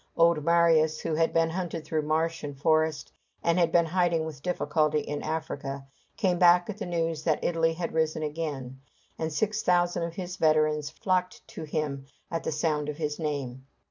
Old Marius, who had been hunted through marsh and forest, and had been hiding with difficulty in Africa, came back at the news that Italy had risen again; and six thousand of his veterans flocked to him at the sound of his name.